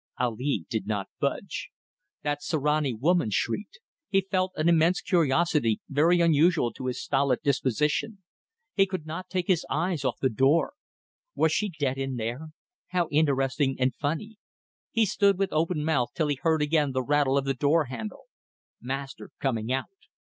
Ali did not budge. That Sirani woman shrieked! He felt an immense curiosity very unusual to his stolid disposition. He could not take his eyes off the door. Was she dead in there? How interesting and funny! He stood with open mouth till he heard again the rattle of the door handle. Master coming out.